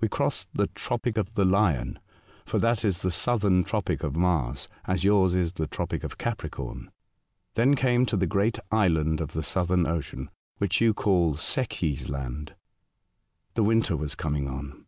"We crossed the *' tropic of the Lion " (for that is the southern tropic of Mars, as yours is the tropic of Capricorn), then came to the great island of the Southern Ocean, which you call Secchi's Land. The winter was coming on.